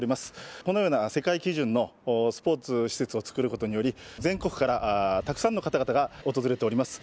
このような世界基準のスポーツ施設を作ることにより、全国からたくさんの方々が訪れています。